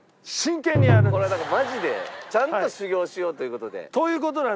これはだからマジでちゃんと修業しようという事で。